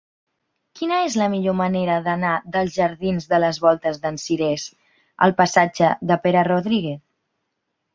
Quina és la millor manera d'anar dels jardins de les Voltes d'en Cirés al passatge de Pere Rodríguez?